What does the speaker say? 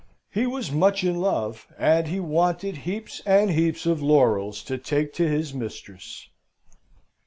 He was much in love, and he wanted heaps and heaps of laurels to take to his mistress.